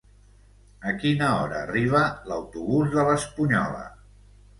A quina hora arriba l'autobús de l'Espunyola?